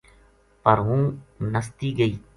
پر ہوں نَستی گئی